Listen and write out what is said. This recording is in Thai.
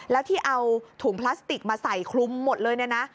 แล้วที่เอาถุงพลาสติกมาใส่คลุมหมดเลยเนี่ยนะ